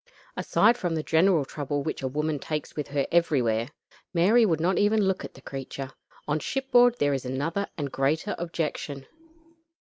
Aside from the general trouble which a woman takes with her everywhere" Mary would not even look at the creature "on shipboard there is another and greater objection.